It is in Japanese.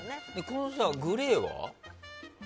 このグレーは？